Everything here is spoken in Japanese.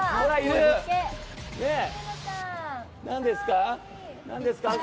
何ですか？